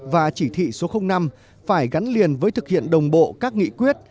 và chỉ thị số năm phải gắn liền với thực hiện đồng bộ các nghị quyết